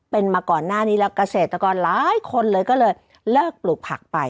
เป็นมาก่อนหน้านี้แล้วเกษตรกรหลายคนเลยก็เลยเลิกปลูกผักไป